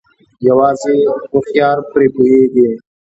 يوازې هوښيار پري پوهيږي